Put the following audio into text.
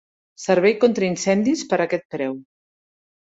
Servei contra incendis per aquest preu.